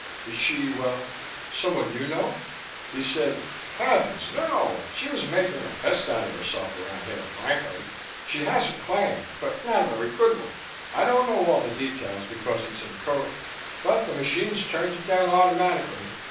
Is she, well, someone you know?" He said, "Heavens, no. She was making a pest out of herself around here, frankly. She has a claim, but not a very good one. I don't know all the details, because it's encoded, but the machines turned it down automatically.